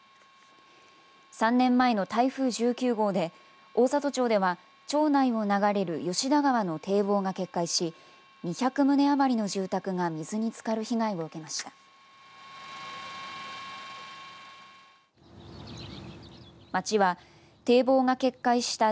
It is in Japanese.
３年前の台風１９号で大郷町では町内を流れる吉田川の堤防が決壊し２００棟余りの住宅が水につかる被害を受けました。